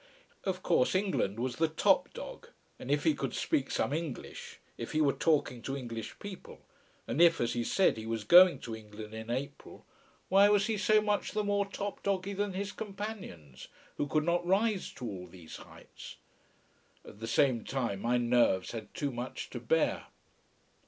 Of course England was the top dog, and if he could speak some English, if he were talking to English people, and if, as he said, he was going to England in April, why he was so much the more top doggy than his companions, who could not rise to all these heights. At the same time, my nerves had too much to bear.